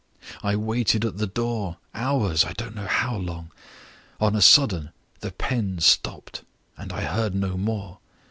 I waited at the door hours I don't know how long. On a sudden, the pen stopped; and I heard no more.